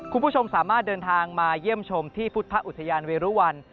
คุณผู้ชมสามารถเดินทางมาเยี่ยมชมที่พุทธอุทยานเวรุวัน